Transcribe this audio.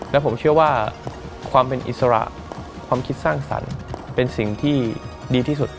และผมเชื่อว่าความเป็นอิสระความคิดสร้างสรรค์เป็นสิ่งที่ดีที่สุด